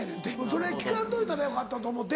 それ聞かんといたらよかったと思うて。